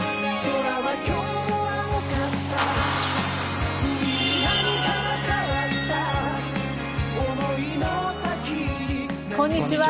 こんにちは。